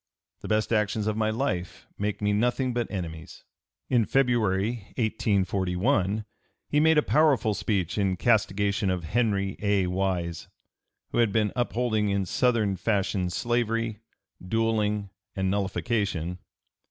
The best actions of my life make me nothing but enemies." In February, 1841, he made a powerful speech in castigation of Henry A. Wise, who had been upholding in Southern fashion slavery, duelling, and nullification.